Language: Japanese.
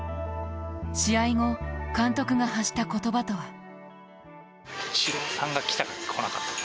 試合後、監督が発した言葉とは。